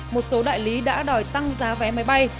một số đại lý đã đòi tăng giá vé máy bay